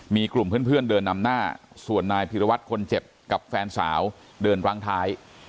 มีกลุ่มเพื่อนเดินนำหน้าส่วนนายพิรวัตรคนเจ็บกับแฟนสาวเดินร้างท้าย